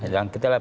yang kita lihat